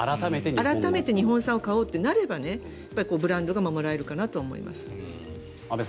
改めて日本産を買おうとなればブランドは守られると思います。